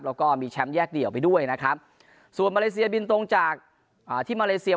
แล้วก็มีแชมป์แยกเดี่ยวไปด้วยนะครับส่วนมาเลเซียบินตรงจากที่มาเลเซีย